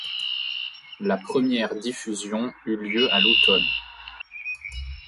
La première diffusion eut lieu à l'automne.